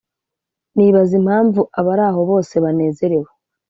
nibaza impamvu abari aho bose banezerewe